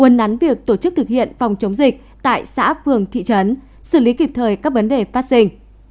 un nắn việc tổ chức thực hiện phòng chống dịch tại xã phường thị trấn xử lý kịp thời các vấn đề phát sinh